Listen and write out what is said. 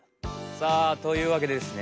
さあというわけでですね